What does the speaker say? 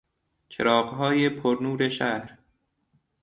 چراغهای پر نور شهر